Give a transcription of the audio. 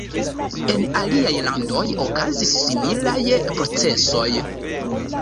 En aliaj landoj okazis similaj procesoj.